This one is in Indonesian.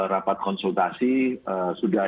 rapat konsultasi sudah